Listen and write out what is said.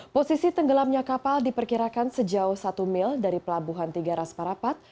posisi tenggelamnya kapal diperkirakan sejauh satu mil dari pelabuhan tiga ras parapat